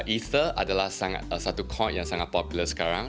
ether adalah satu coin yang sangat populer sekarang